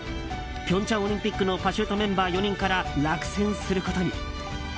平昌オリンピックのパシュートメンバー４人から落選することに。